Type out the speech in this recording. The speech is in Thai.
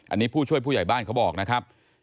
อันนี้ผู้ช่วยผู้ใหญ่บ้านเขาบอกนะครับ